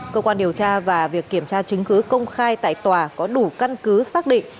cơ quan điều tra và việc kiểm tra chứng cứ công khai tại tòa có đủ căn cứ xác định